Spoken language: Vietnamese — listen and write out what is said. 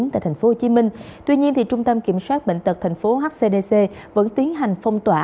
tại tp hcm tuy nhiên trung tâm kiểm soát bệnh tật tp hcmc vẫn tiến hành phong tỏa